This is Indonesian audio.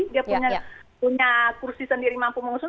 dia punya kursi sendiri mampu mengusung